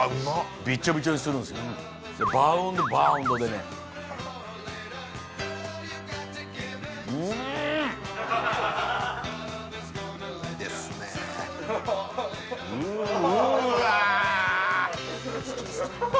びちょびちょにするんですよでバウンドバウンドでねいいですねうわ！